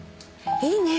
いいね。